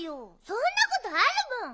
そんなことあるもん！